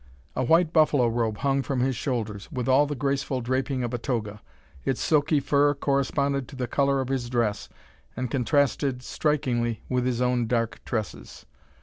A white buffalo robe hung from his shoulders, with all the graceful draping of a toga. Its silky fur corresponded to the colour of his dress, and contrasted strikingly with his own dark tresses.